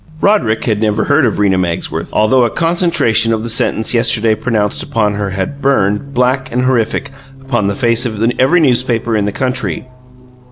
Roderick had never heard of Rena Magsworth, although a concentration of the sentence yesterday pronounced upon her had burned, black and horrific, upon the face of every newspaper in the country.